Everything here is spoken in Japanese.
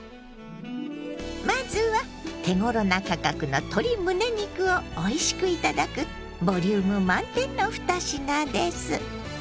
まずは手ごろな価格の鶏むね肉をおいしく頂くボリューム満点の２品です。